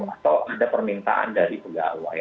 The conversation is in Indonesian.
atau ada permintaan dari pegawai